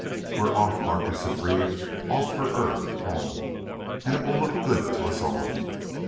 "We're off!" Harkness agreed. "Off for Earth home! And it will look good to us all.